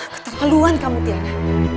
keterpeluan kamu tiara